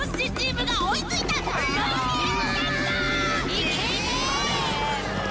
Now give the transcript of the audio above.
いけいけ！